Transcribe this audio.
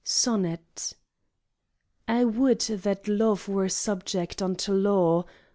Sonnet I would that love were subject unto law!